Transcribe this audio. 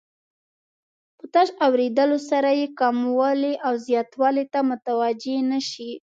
په تش اوریدلو سره یې کموالي او زیاتوالي ته متوجه نه شي.